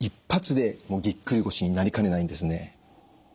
１発でぎっくり腰になりかねないんですね。